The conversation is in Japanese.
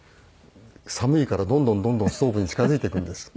寒いからどんどんどんどんストーブに近づいていくんです。